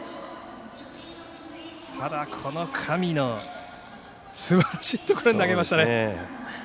この上すばらしいところに投げましたね。